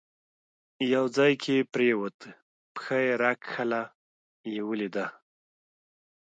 یو ځای کې پرېوت، پښه یې راکښله، یې ولیده.